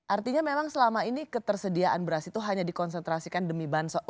artinya memang selama ini ketersediaan beras itu hanya dikonsentrasikan demi bansos